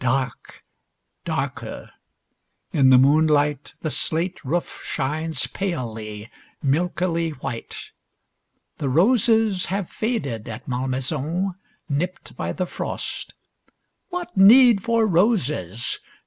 Darker. In the moonlight, the slate roof shines palely milkily white. The roses have faded at Malmaison, nipped by the frost. What need for roses?